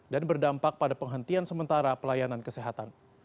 berdampak pada penghentian sementara pelayanan kesehatan